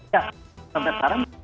ya sampai sekarang